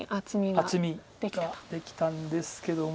厚みができたんですけども。